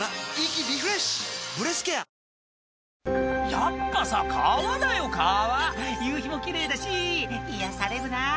「やっぱさ川だよ川」「夕日も奇麗だし癒やされるな」